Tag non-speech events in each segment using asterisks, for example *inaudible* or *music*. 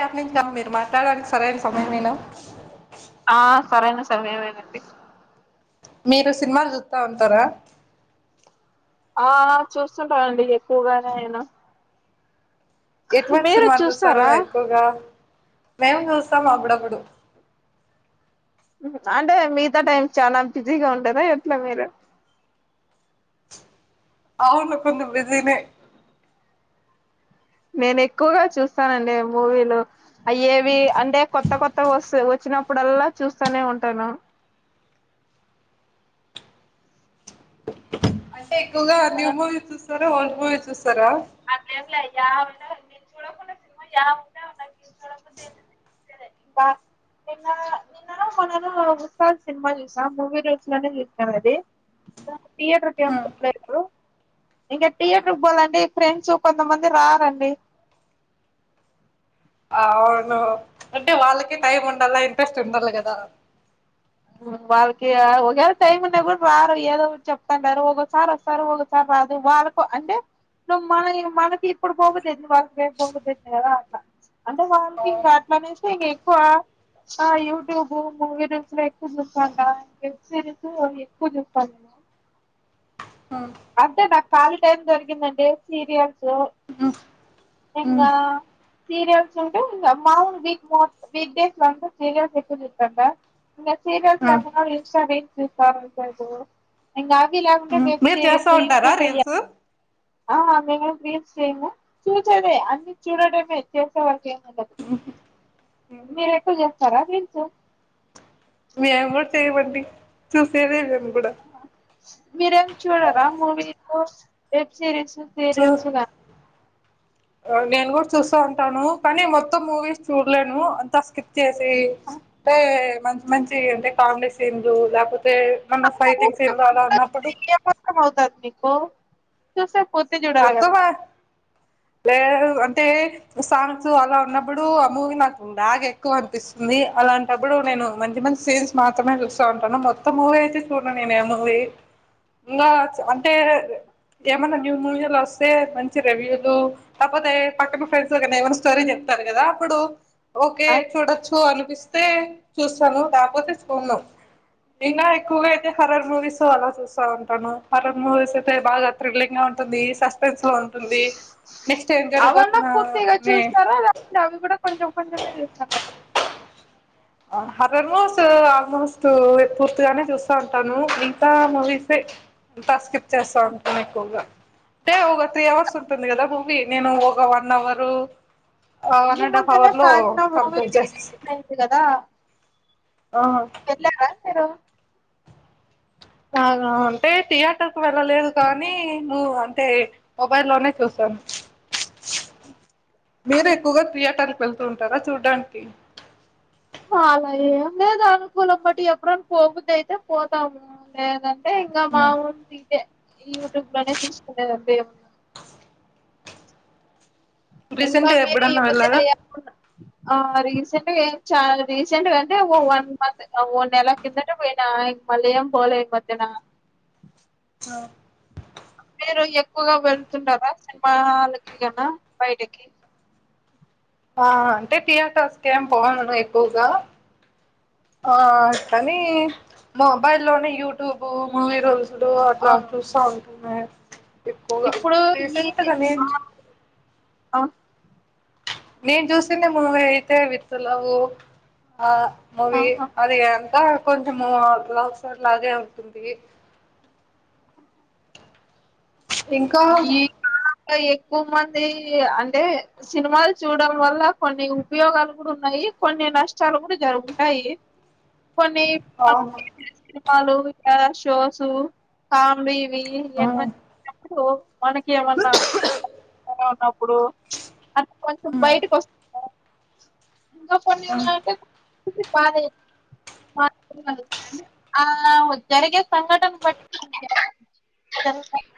App నుంచి కాన్ మీరు మాట్లాడడానికి సరైన సమయమేనా ఆ సరైనా సమయమేనండి మీరు సినిమాలు చూతా ఉంటారా ఆ చూస్తుంటనండి ఎక్కువగా నేను ఎటువంటి మీరు సినిమాల్ చూస్తారు చూస్తారా ఎక్కువగా మేము చూస్తం అప్పుడప్పుడు అంటే మిగిత టైం చానా బిజీగా ఉంటరా ఎట్ల మీరు అవును కొంచం బిజినే నేను ఎక్కువగా చూస్తానండి మూవీలు అయేవి అంటే కొత్త కొత్త వసు వచ్చినప్పుడల్లా చూస్తానే ఉంటాను అయ్ ఎక్కువగా న్యూ మూవీస్ చూస్ సరే ఓల్డ్ మూవీ చూస్ అట్లెం లా యావన నేను చూడకున్న సినిమా యావున్న నాకు చూడ బుద్ధి తే చూసేదే బా నిన్న నిన్ననో మొన్ననో సినిమా చూసా మూవీ రూల్స్ లోనే చూసాం ఇది థియేటర్ కేం హ్మ్. పోలేదు ఇంగ థియేటర్ కి పోలంటే ఫ్రెండ్స్ కొంతమంది రారండి అవును అంటే వాళ్ళకి టైం ఉండలా ఇంట్రెస్ట్ ఉండల కదా వాళ్కి ఒకాళ టైం వున్న కూడ రారు ఏదో చెప్తుంటారు ఒకసారి వస్తారు ఒకసారి రారు వాళ్ళకు అంటే ను మనయ్ మన ఇప్పుడు పోబుద్ది ఐతద్ బా రేప్ పోబుద్దైతది కదా అన్న అంటే వాల్కి అవును. ఇంక అట్లానేసే ఇంగే వా ఆ యూట్యూబ్ మూవీ రూల్స్ ఎ కు మాత్రం దాన్కే సరే పో ఎక్కువ చెప్పాలిన హ్మ్, అంతే న ఖాళీ టైమ్ దొరికిందంటె సీరియల్స్ హ్మ్, హ్మ్, ఇంగా సీరియల్స్ ఉంటే, మామూల్ వీ మో వీక్ డేస్లంత సీరియల్స్ ఎక్కువ చూస్తంట. ఇంక సీరియల్స్ హ్మ్, లాకున్న ఇన్స్టా రీల్ ఇంగ ఆ కే హ్మ్. వే మీరు చేస్తా ఉంటారా రీల్స్ ఆ మేము రీల్స్ చేయము. చూసేదే అన్ని చూడటమే చేసే వరకు ఏముండదు. మేము కూడా చేయమండి చూసేది నేను మీరేం చూడరా మూవీ మూస్ వెబ్ సిరీస్ చు సీరియల్స్ గా ఆ నేను కూడా చూస్తా ఉంటాను, కానీ మొత్తం మూవీస్ చూడలేను అంత స్కిప్. స్కిప్ చేసి ఇస్తే మ మంచియ్ అంటే కామెడీ సీన్లు లెక్పో తే మన్న ఫైటింగ్ ఊరికే సీన్లు అలా ఉన్నప్పుడు చూసా కొత్తవా లేవు అంటే సాంగ్స్ అలా ఉన్నప్పుడు ఆ మూవీ నాకు బాగా ఎక్కువ అనిపిస్తుంది అలాంటప్పుడు నేను మంచి మంచి సీన్స్ మాత్రమే చూస్తా ఉంటాను మొత్తం మూవీ అయితే చూడను నేను ఏ మూవీ ఇంకా అంటే ఏమన్నా మూవీలో వస్తే మంచి రివ్యూలు లేకపోతే పక్కన ఫ్రెండ్స్ లోనీ ఏమైనా స్టోరీ చెప్తారు కదా అప్పుడు ఓకే చూడొచ్చు అనిపిస్ స్తే చూస్తాను కాకపోతే చూడను ఇంకా ఎక్కువగా అయితే హరర్ మూవీస్ అలా చూస్తా ఉంటాను హరర్ మూవీస్ అయితే బాగా థ్రిల్లింగ్ గా ఉ టుంది సస్పెన్స్ నెక్స్ట్ ఏం అవన్నా జరగబోతుందా పూర్తిగా అని చూస్తారా లేకపోతే అవి కూడా కొంచెం కొంచమే చూస్తారా హార్రర్ మూవీస్ ఆల్మోస్ట్ పూర్తిగానే చూస్తాంటాను మిగతా మూవీసే అంతా స్కిప్ చేస్తా ఉంటాను ఎక్కువగా అంటే ఒక త్రీ అవర్స్ ఉంటుంది కదా ము ఉంటే నేను ఒక వన్ అవరు వన్ ఈ అండ్ హాఫ్ మధ్యనే అవర్ లో కాంచన మూవీ కంప్లీట్ రిలీజ్ అయింది కదా ఆ హలో బాగా అంటే థియేటర్ కు వెళ్ళలేదు కానీ మూ అంటే మొబైల్ లోనే చూసాను మీరే ఎక్కువగా థియేటర్కి వెళ్తూ ఉంటారా చూడ్డానికి అలా ఏం లేదు అనుకూలం బట్టి ఎప్పుడయినా పోబుద్ది అయితే పోతాము లేదం టె ఇంగ మా ఊరు *unintelligible* యూట్యూబ్ లోనే చూసుకునేది అంతే ఇగ మేము ఇంకా రీసెంట్ గా మీరు ఈ ఎప్పుడన్నా మధ్యన వెళ్ళారా ఏమైన ఆ రిల్స్ రీసెంట్గా ఎం చాలా రీసెంట్ గా అంటే ఓ వన్ మంత్ ఓ నెల కిందట పోయిన ఇగ మళ్ళీ ఏం పోలే ఈ మధ్యన ఆ మీరు ఎక్కువగా వెళ్తున్నారా సినిమా హాల్ కి గన బయటికి ఆ అంటే థియేటర్స్ కి ఏం పోము ఎక్కువగా ఆ కానీ మొబైల్ లోనే యూట్యూబ్ మూవీ రూల్స్ డు అట్లా అవును. చూస్తా ఉంటా ఎక్కువగా ఇప్పుడు ఈ రీసెంట్గా నేన్ ఆ! చుస్ ఆ నేను చూసిండే మూవీ అయితే విత్ లవ్ ఆ మూవి ఆహా! అది అంత కొంచెము అట్లా సర్ లాగే ఉంటుంది ఇంకా ఈ కాలంలో ఎక్కువ మంది అంటే సినిమాలు చూడడం వల్ల కొన్ని ఉపయోగాలు కూడా ఉన్నాయి కొన్ని నష్టాలు కూడా జరుగుతాయి కొన్ని అవును భక్తి *inaudible* సినిమాలు ఆ షోసు కా బి వి వెపన్ *inaudible* సో మనకి ఏమన్నా *inaudible* ఉన్నప్పుడు అ కొంచెం బయటకు వస్తారా ఇంకా కొన్ని *inaudible* కాదు *inaudible* బానే ఆ జరిగే సంఘటన బట్టి మనకి జరుగుతాంది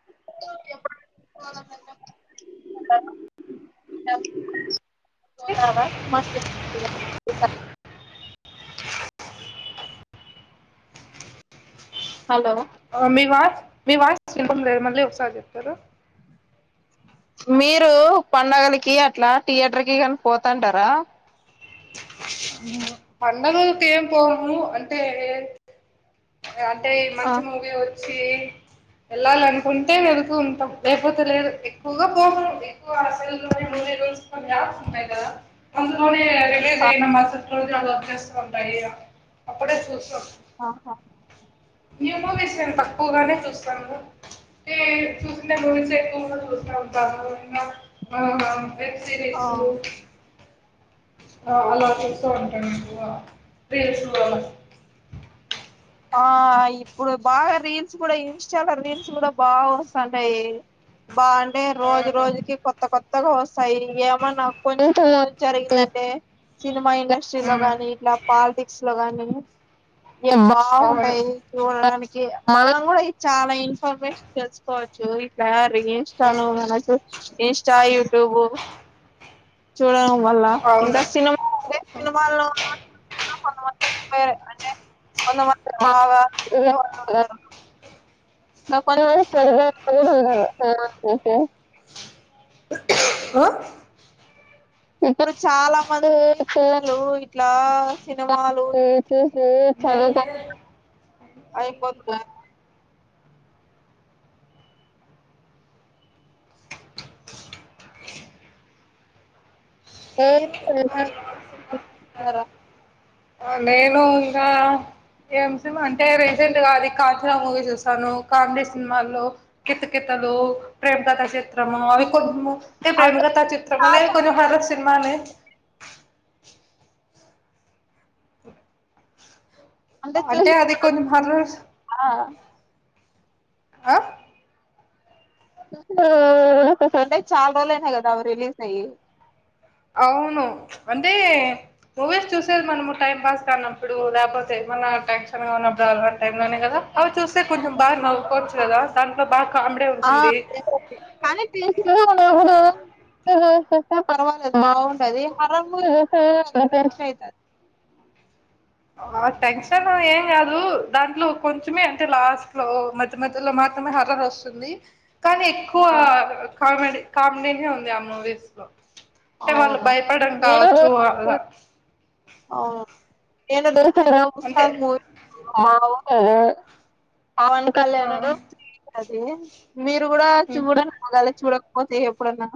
*inaudible* హలో మీ వాయిస్ మీ వాయిస్ వినబడలేదు మళ్ళీ ఒకసారి చెప్తారా మీరు పండగలకి అట్లా థియేటర్ కి కాని పోతంటారా పండగ అయితే ఏం పోము అంటే అంటే మంచి మూవీ వచ్చి వెళ్ళాలి అనుకుంటే వెళుతు ఉంటాం లేకపోతే లేదు ఎక్కువగా పోవం ఎక్కువ ఆ సెల్ లోనే మూవీ రూల్స్ కొన్ని యాప్స్ ఉంటాయి కదా అందులోనే రిలీజ్ ఆహా అయిన మస్ రోజ్ అలా వచ్చేస్ ఉంటాయి ఇగా అప్పుడే చూసా ఆహా న్యూ మూవీస్ నేను తక్కువగానే చూస్తాను అయితే చూసిండే మూవీస్ ఎక్కువగా చూస్తా ఉంటాను అయినా అహ వెబ్ సిరీస్ ఆ సు ఆ అలా చూస్త్ ఉంటాను ఎక్కువగా రీల్స్ *inaudible* ఆ ఇప్పుడు బాగా రీల్స్ కూడా ఇంస్టాలో రీల్స్ కూడా బాగా వస్తాంటయి బా అంటే రోజు రోజుకి కొత్త కొత్త కొత్తగా వస్తాయి ఏమన్నా కొంచెం జరిగిందంటే సినిమా ఇండస్ట్రీలోగాని ఇట్లా పాలిటిక్స్ లో గాని వే బాగుంటాయి చూడడానికి మళ్ళం కూడా ఇది చాలా ఇన్ఫర్మేషన్ తెలుసుకోవచ్చు ఇటా ఇన్స్టా అవును మనం *inaudible* ఇన్స్టా యూట్యూబ్ చూడ వల్ల అవును ఇంకా సినిమా లే సినిమాల్లో *inaudible* ఇంక కొంతమంది అ అంటే కొంతమంది తిన్నావా తిన్నావా లేదు నా పనులు చేయ్ జాజిపే తినను *unintelligible* వో ఇప్పుడు చాలా మంది ఫోన్ లు ఇట్ల సినిమాలు చూసి చదువు అయిపోతున్నారు ఏ *unintelligible* స్తారా నేను ఇంకా ఏం సినిమా అంటే రీసెంట్ గా అది కాంచనా మూవీ చూసాను కామిడి సినిమాల్లో కితకితలు ప్రేమ కథా చిత్ర చిత్రము అవి కొంచము అవి ప్రేమికథ చిత్రం అనే కొంచము హారర్ సినిమానే అంటే అది కొన్ని మార్లు ఆ ఆ సర్లే *unintelligible* చాలా రోజులుయినాయి కదా అవి రిలీజ్ అయి అవును అంటే మూవీస్ చూసేది మనము టైం పాస్ కానప్పుడు లేకపోతే ఏమన్నా టెన్షన్ గా ఉన్నప్పుడు టైం లోనే కదా అవి చూస్తే కొంచెం బాగా నవ్వు ఆ కానీ తిన్సులు ఎప్పుడు పర్వాలేదు బాగుంటది హారర్ చూస్తే టెన్షన్ అయితది ఆ టెన్షన్ ఏం కాదు దాంట్లో కొంచమే అంటే లాస్ట్ లో మధ్య మధ్యలో మాత్రమే హరర్ వస్తుంది కానీ ఎక్కువ ఆహా కామెడీ కామెడీని ఉంది ఆ మూవీస్ లో అంటే వాళ్ళు అవునా భయపడడం కావచ్చు అలా ఆ ఏనదరు తరా అంటే ఉత్సద్ మూవీ అ పవన్ ఆ కళ్యాణనును శ్రీలీలా అదే మీరు కూడా హ్మ్ చూడ ఆగాలి చూడక్ పోతా ఎప్పుడన్నా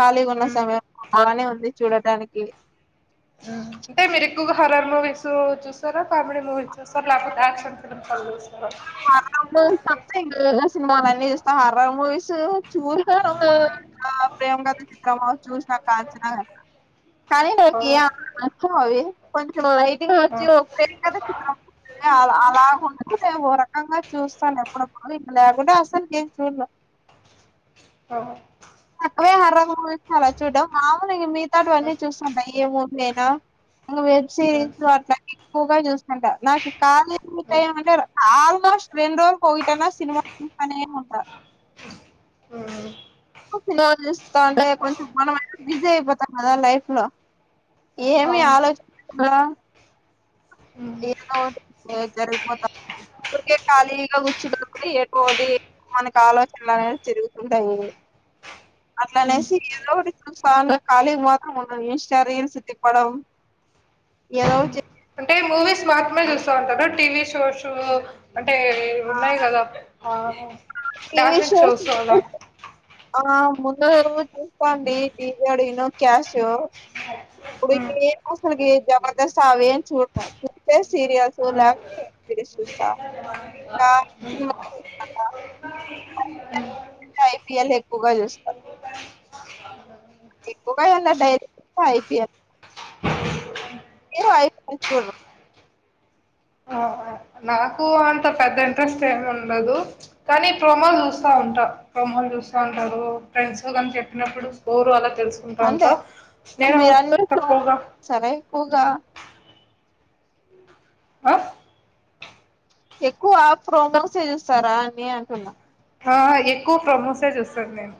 ఖాళీగా ఉన్న హ్మ్ సమయం బానే ఉంది చూడటానికి హ్మ్ అంటే మీరు ఎక్కువగా హరర్ మూవీస్ చూస్తారా కామెడీ మూవీస్ చూస్తారా లేకపోతే యాక్షన్ ఫిలిమ్స్ అవి చూస్ ఆ *unintelligible* తప్ప వేరే సినిమాలు అనే చూస్ హారర్ మూవీస్ వు చూ ప్రియకా ఆ ప్రేమ కథ చిత్రం చుసిన కాంచన కానీ ఓ నాకి నచ్చవు అవి కొంచెం లేటింగ్ ఆ వచ్చి ప్రేమకథ చిత్రం ఉంటుందే అలాగా ఉంటుంది కానీ ఓ రకం ఆ చూస్తాను అపుడపుడు ఇప్పుడు లేకుంటే అసల్ కి ఎమ్ చూడను ఆ అవే హారర్ మూవీస్ అలా చూడం మాము మితావన్నీ చూస్తాంటా ఎ మూవి నేనా ఇంగ వెబ్ హ్మ్ సిరీస్ అట్లా ఎక్కువగా చూస్తుంట నాకి కాని హ్మ్ *unintelligible* ఆ ఫ్కోర్స్ రెండ్రోజులకు ఒకటైన సినిమా అనేం ఉండ మ్మ్ రోజు చూస్తంటే కొంచెం మనం బిజీ అయిపోతాం కదా లైఫ్ లో ఏమి అవును ఆలోచనార హ్మ్ ఏదోటి జరిగిపోతాకే ఊరికే ఖాళీగా కూచుంటేమని ఏదోటి మనకి ఆలోచనలు అనేవి జరుగుతుంటాయి. అట్లానేసి ఏదోటి ఖాళీ మాత్రం ఉండను, ఇన్స్టా రీల్స్ తిప్పడం ఏదో అంటే మూవీస్ మాత్రమే చూస్తాంటారు. టీవీ షోసు అంటే ఉన్నాయి కదా ఆ ఎన్ని డాన్సింగ్ షోస్ లు అలా. ఉంటాయ్ ఆ ముందు చూస్తాంటి ఢీ జోడీ ను క్యాషో ఇప్పుడు హ్మ్. అసలుకి జబర్దస్త్ అవేం చూడలే చూస్తే సీరియల్స్ హ్మ్. లేకపోతే *inaudible* చూస్తా పి ఎల్ ఎ ఎక్కువగా చూస్తా ఎక్కువగా డైరెక్ట్ ఐపీఎల్ ఏదో అయిపో *unintelligible* ఆ! ఆ! నాకు అంత పెద్ద ఇంట్రెస్ట్ ఏమి ఉండదు కానీ ప్రోమో చూస్తా ఉంటా ప్రోమోల్ చూస్తా ఉంటారు ఫ్రెండ్స్ కానీ చెప్పినప్పుడు స్కోరు అలా తెలుసుకుంటా అంటే ఉంటా. నేను మీరు అందరు తక్కువగా సరే ఎక్కువగా ఆ ఎక్కువ ప్రోమోస్ చేస్తారా అని అంటున్నా ఆ ఎక్కువ ప్రోమోసే చూస్తా నేను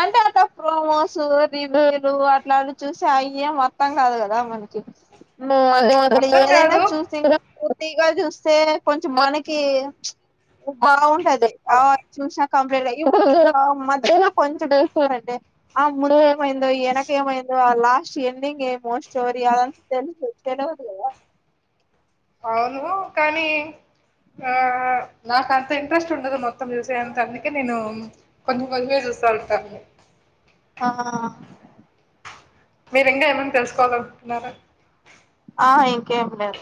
అంటే అట్ట ప్రోమోస్, రివ్యూలు అట్లాంటి చూసి అయేమీ అర్థం కాదు కదా మనకి అర్థం ఏదైనా కాదు. చూసి పూర్తిగా చూస్తే కొంచెం మనకి బాగుంటది అ అలా చూసినా కంప్లీట్ అయ ఆ మధ్యలో కొంచెం *unintelligible* ఆ ముందు ఏమైందో వెనక ఏమైందో ఆ లాస్ట్ ఎండింగ్ ఏమో స్టోరీ అదంతా తెలుసు తెలియదు కదా అవును కానీ ఆ నాకు అంత ఇంట్రెస్ట్ ఉండదు మొత్తం చూసే అంత అందుకే నేను కొంచెం కొంచెమే చూస్తా ఉంటా ఆహ మీరింకా ఏమైన తెలుసుకోవాలకున్నారా ఆ ఇంకేమి లేదు